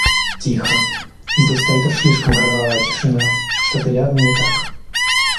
Тихо! Здесь стоит уж слишком гробовая тишина, что-то явно не так.